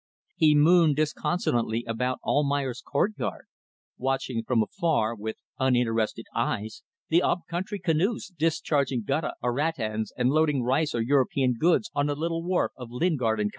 He mooned disconsolately about Almayer's courtyard, watching from afar, with uninterested eyes, the up country canoes discharging guttah or rattans, and loading rice or European goods on the little wharf of Lingard & Co.